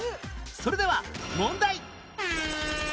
それでは問題